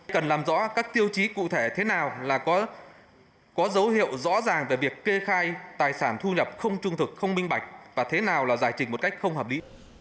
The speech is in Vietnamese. cần làm rõ các tiêu chí cụ thể thế nào là có dấu hiệu rõ ràng về việc kê khai tài sản thu nhập không trung thực không minh bạch và thế nào là giải trình một cách không hợp lý